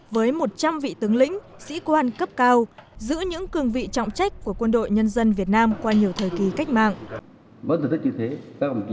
với một trăm linh vị tướng lĩnh sĩ quan cấp cao giữ những cường vị trọng trách của quân đội nhân dân việt nam qua nhiều thời kỳ cách mạng